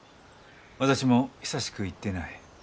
私も久しく行っていない。